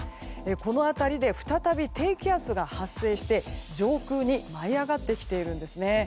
この辺りで再び低気圧が発生して上空に舞い上がってきているんですね。